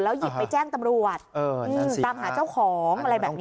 หยิบไปแจ้งตำรวจตามหาเจ้าของอะไรแบบนี้